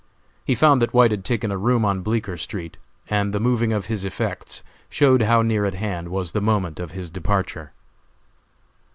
He found that White had taken a room on Bleeker street, and the moving of his effects showed how near at hand was the moment of his departure.